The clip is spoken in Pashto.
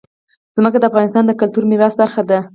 ځمکه د افغانستان د کلتوري میراث برخه ده.